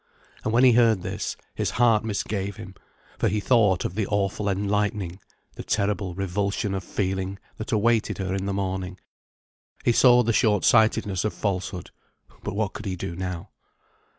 And when he heard this, his heart misgave him; for he thought of the awful enlightening, the terrible revulsion of feeling that awaited her in the morning. He saw the short sightedness of falsehood; but what could he do now?